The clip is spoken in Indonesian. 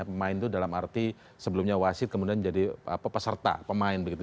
pemain itu dalam arti sebelumnya wasit kemudian jadi peserta pemain begitu